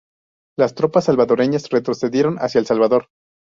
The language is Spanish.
Las tropas salvadoreñas retrocedieron hacia El Salvador.